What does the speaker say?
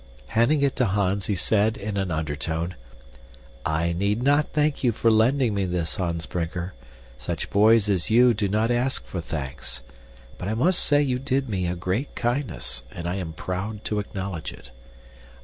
Handing it to Hans he said in an undertone, "I need not thank you for lending me this, Hans Brinker. Such boys as you do not ask for thanks, but I must say you did me a great kindness, and I am proud to acknowledge it.